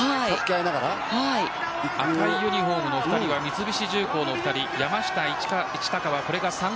赤いユニホームの２人は三菱重工の２人です。